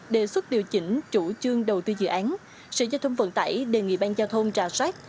đề xuất điều chỉnh chủ trương đầu tư dự án sở giao thông vận tải đề nghị bang giao thông trả soát